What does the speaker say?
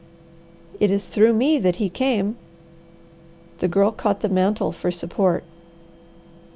"It is through me that he came." The Girl caught the mantel for support.